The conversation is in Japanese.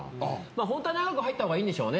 ホントは長く入った方がいいんでしょうね